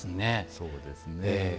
そうですね。